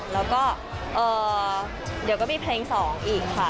แล้วก็เดี๋ยวก็มีเพลง๒อีกค่ะ